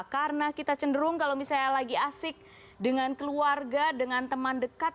karena kita cenderung kalau misalnya lagi asik dengan keluarga dengan teman dekat